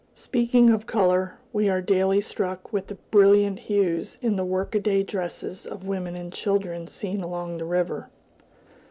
Speaking of color, we are daily struck with the brilliant hues in the workaday dresses of women and children seen along the river.